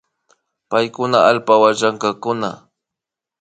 Paykuna allpawan llankankuna